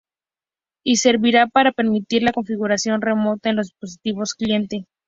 Y servirá para permitir la configuración remota de los dispositivos cliente.